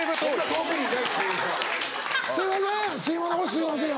「すいません」